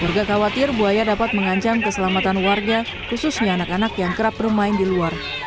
warga khawatir buaya dapat mengancam keselamatan warga khususnya anak anak yang kerap bermain di luar